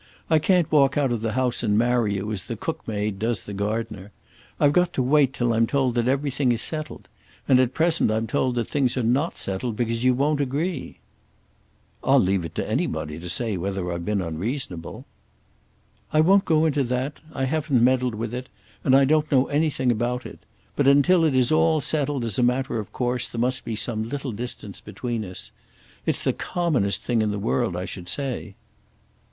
I can't walk out of the house and marry you as the cookmaid does the gardener. I've got to wait till I'm told that everything is settled; and at present I'm told that things are not settled because you won't agree." "I'll leave it to anybody to say whether I've been unreasonable." "I won't go into that. I haven't meddled with it, and I don't know anything about it. But until it is all settled as a matter of course there must be some little distance between us. It's the commonest thing in the world, I should say."